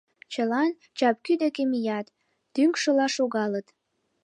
Чылан чапкӱ деке мият, тӱҥшыла шогалыт.